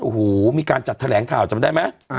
โอ้โหมีการจัดแถลงข่าวจำได้ไหม